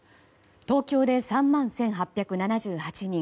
東京で３万１８７８人